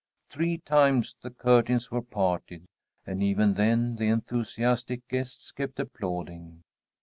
Three times the curtains were parted, and even then the enthusiastic guests kept applauding.